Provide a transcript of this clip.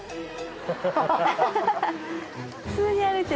普通に歩いてる。